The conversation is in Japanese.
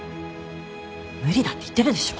無理だって言ってるでしょ。